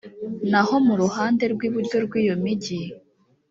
naho mu ruhande rw iburyo rw iyo migi